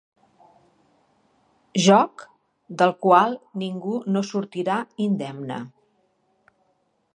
Joc del qual ningú no sortirà indemne.